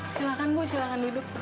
silahkan bu silahkan duduk